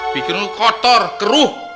pikiran lo kotor keruh